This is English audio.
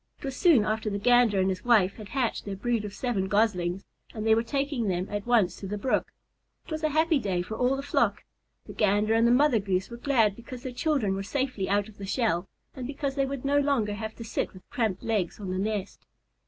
This was soon after the Gander and his wife had hatched their brood of seven Goslings, and they were taking them at once to the brook. It was a happy day for all the flock. The Gander and the Mother Goose were glad because their children were safely out of the shell, and because they would no longer have to sit with cramped legs on the nest.